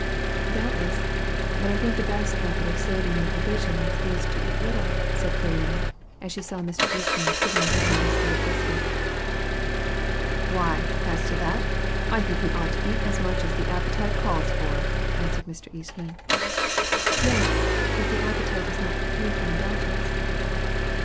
"Doubtless; but I think the best method of saving in provisions is to eat little," said Clarina, as she saw Mr. Eastman putting down his third biscuit. "Why, as to that, I think we ought to eat as much as the appetite calls for," answered Mr. Eastman. "Yes; if the appetite is not depraved by indulgence."